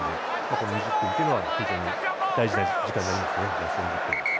残り２０分というのは大事な時間になりますね。